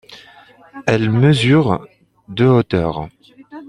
Elles mesurent de hauteur.